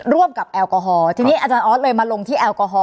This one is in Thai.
ร่วมกับแอลกอฮอล์ทีนี้อาจารย์ออสเลยมาลงที่แอลกอฮอล